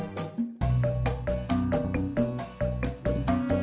ke jcc lagi